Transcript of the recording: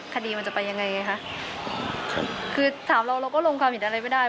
คดีมันจะไปยังไงคือถามเราก็ลงความผิดอะไรไม่ได้